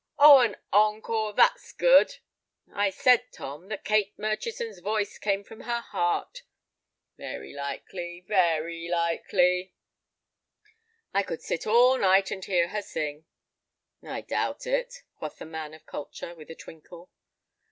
"Oh, an encore, that's good. I said, Tom, that Kate Murchison's voice came from her heart." "Very likely, very likely." "I could sit all night and hear her sing." "I doubt it," quoth the man of culture, with a twinkle.